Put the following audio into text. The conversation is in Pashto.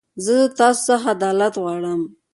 زه تاسو خڅه عدالت غواړم.